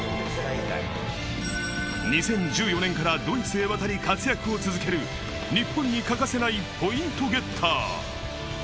２０１４年からドイツへ渡り活躍を続ける日本に欠かせないポイントゲッター。